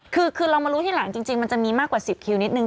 คือเรามารู้ทีหลังจริงมันจะมีมากกว่า๑๐คิวนิดนึ